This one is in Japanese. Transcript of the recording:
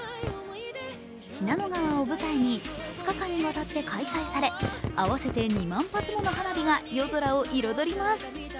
信濃川を舞台に２日間にわたって開催され合わせて２万発もの花火が夜空を彩ります。